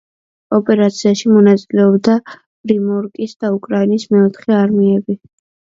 ოპერაციაში მონაწილეობდა პრიმორსკის და უკრაინის მეოთხე არმიები.